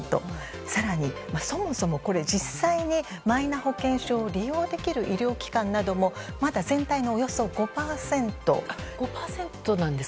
更にそもそも実際にマイナ保険証を利用できる医療機関などもまだ全体のおよそ５％なんです。